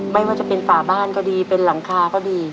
ไม่ว่าจะเป็นฝาบ้านก็ดีเป็นหลังคาก็ดี